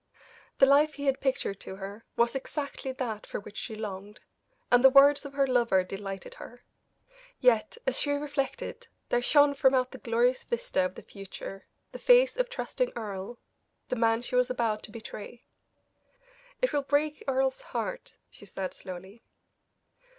The life he had pictured to her was exactly that for which she longed, and the words of her lover delighted her. Yet, as she reflected, there shone from out the glorious vista of the future the face of trusting Earle the man she was about to betray. "It will break Earle's heart," she said, slowly.